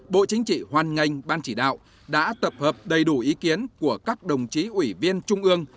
bộ chính trị hoàn ngành ban chỉ đạo đã tập hợp đầy đủ ý kiến của các đồng chí ủy viên trung ương